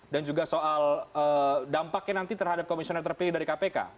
dan juga soal dampaknya nanti terhadap komisioner terpilih dari kpk